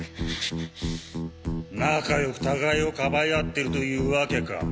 仲良く互いをかばい合ってるというわけか。